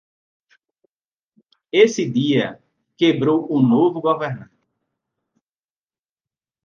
Esse dia quebrou o novo governante.